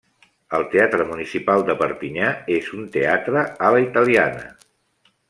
El teatre municipal de Perpinyà és un teatre a la italiana.